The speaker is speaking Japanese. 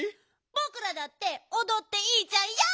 ぼくらだっておどっていいじゃんＹＯ！